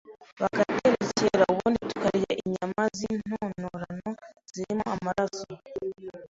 bagaterekera ubundi tukarya inyama z’intonorano zikirimo amaraso